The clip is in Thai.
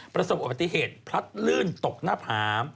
ประสบอุบัติเหตุพลัดลื่นตกหน้าผา